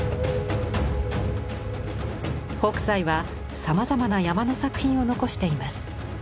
北斎はさまざまな山の作品を残しています。